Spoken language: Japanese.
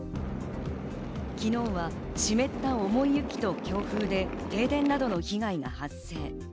昨日は湿った重い雪と強風で停電などの被害が発生。